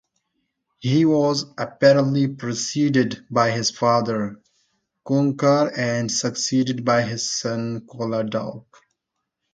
He was apparently preceded by his father, Cuncar, and succeeded by his son, Coledauc.